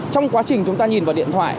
trong quá trình chúng ta nhìn vào điện thoại